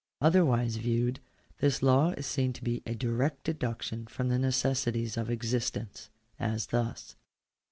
Otherwise viewed, this law is seen to be a direct deduction from the necessities of existence : as thus.